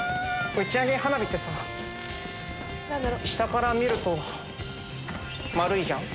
打ち上げ花火ってさ下から見ると丸いじゃん。